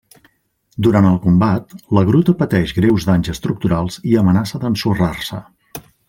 Durant el combat, la gruta pateix greus danys estructurals i amenaça d'ensorrar-se.